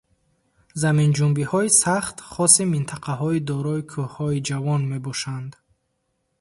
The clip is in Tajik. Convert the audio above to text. Заминҷунбиҳои сахт хоси минтақаҳои дорои кӯҳҳои ҷавон мебошанд.